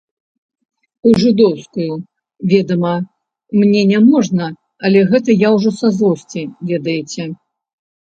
У жыдоўскую, ведама, мне не можна, але гэта я ўжо са злосці, ведаеце.